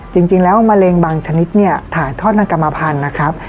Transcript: จริงแล้วมะเร็งบางชนิดเนี่ยถ่ายทอดทางกรรมภัณฑ์นะครับ